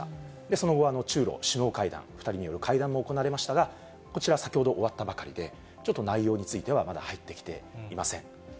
その後、中ロ首脳会談、２人による会談も行われましたが、こちら先ほど終わったばかりで、ちょっと内容についてはまだ入ってきていません。